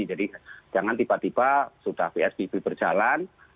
jadi jangan tiba tiba sudah psbb berjalan